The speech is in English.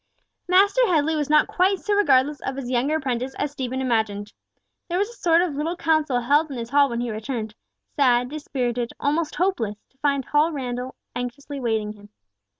Master Headley was not quite so regardless of his younger apprentice as Stephen imagined. There was a sort of little council held in his hall when he returned—sad, dispirited, almost hopeless—to find Hal Randall anxiously awaiting him.